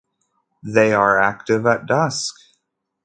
They are active at dusk.